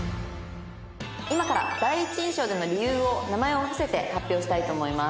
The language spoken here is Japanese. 「今から第一印象での理由を名前を伏せて発表したいと思います」